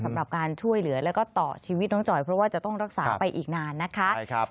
สำหรับการช่วยเหลือแล้วก็ต่อชีวิตน้องจอยเพราะว่าจะต้องรักษาไปอีกนานนะคะ